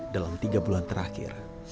dalam tiga bulan terakhir